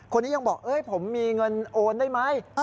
คนนี้ยังบอกผมมีเงินโอนได้ไหม